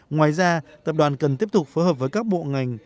ngoài ra tập đoàn cần tiếp tục phối hợp với các bộ ngành